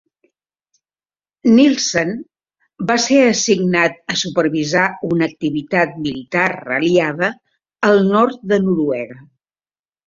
Nilsen va ser assignat a supervisar una activitat militar aliada al nord de Noruega.